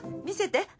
見せて？